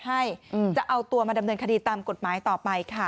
ให้จะเอาตัวมาดำเนินคดีตามกฎหมายต่อไปค่ะ